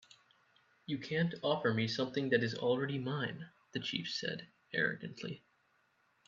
"You can't offer me something that is already mine," the chief said, arrogantly.